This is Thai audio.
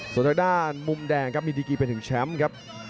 ส่วนทางด้านมุมแดงครับมีดีกีไปถึงแชมป์ครับ